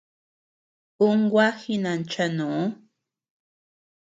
Un gua jinanchanoo.